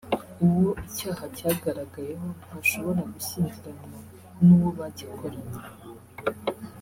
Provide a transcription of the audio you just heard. uwo icyaha cyagaragayeho ntashobora gushyingiranwa n’uwo bagikoranye